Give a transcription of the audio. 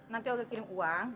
nanti olga kirim uang